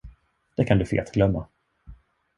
Det kan du fetglömma!